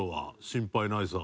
「心配ないさ」。